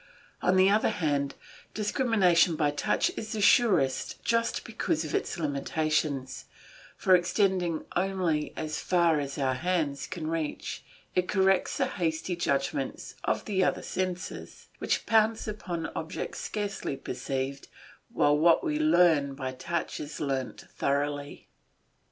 On the other hand, discrimination by touch is the surest just because of its limitations; for extending only as far as our hands can reach, it corrects the hasty judgments of the other senses, which pounce upon objects scarcely perceived, while what we learn by touch is learnt thoroughly.